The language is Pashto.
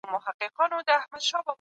ایا تاریخي کرکټرونه باید معصوم وګڼل سي؟